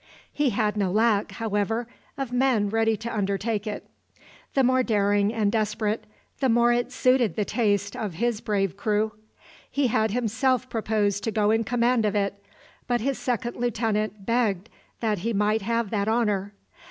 He had no lack, however, of men ready to undertake it. The more daring and desperate, the more it suited the taste of his brave crew. He had himself proposed to go in command of it; but his second lieutenant begged that he might have that honour.